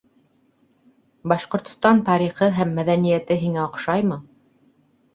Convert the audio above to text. «Башкортостан тарихы һәм мәҙәниәте» һиңә оҡшаймы?